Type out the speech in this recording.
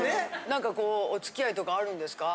何かこうお付き合いとかあるんですか？